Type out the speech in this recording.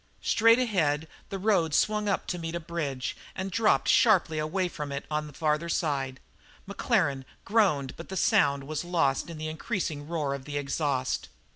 Straight ahead the road swung up to meet a bridge and dropped sharply away from it on the further side. Maclaren groaned but the sound was lost in the increasing roar of the exhaust.